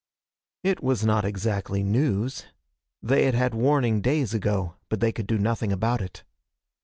It was not exactly news. They had had warning days ago, but they could do nothing about it.